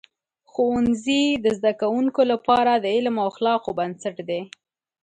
ښوونځي د زده کوونکو لپاره د علم او اخلاقو بنسټ دی.